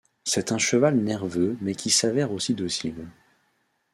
C'est un cheval nerveux mais qui s'avère aussi docile.